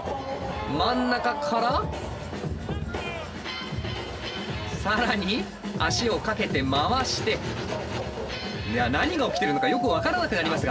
真ん中から更に足をかけて回していや何が起きてるのかよく分からなくなりますが。